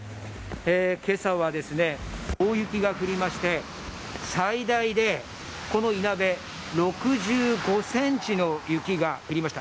今朝は大雪が降りまして、最大でこのいなべ、６５ｃｍの雪が降りました。